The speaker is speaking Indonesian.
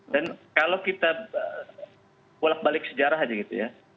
dan kalau kita bolak balik sejarah aja gitu ya